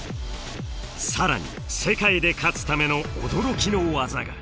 更に世界で勝つための驚きの技が。